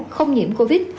không nhiễm covid